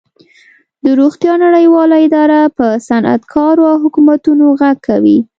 د روغتیا نړیواله اداره په صنعتکارو او حکومتونو غږ کوي